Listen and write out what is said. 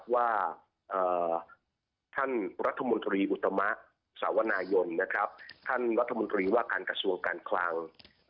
ว่าท่านรัฐมนตรีอุตมะสาวนายนท่านรัฐมนตรีว่าการกระทรวงการคลัง